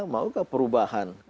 mau ke perubahan